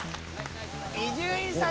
伊集院さん